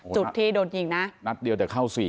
จุดที่โดนยิงนะนัดเดียวเดี๋ยวเข้าสี่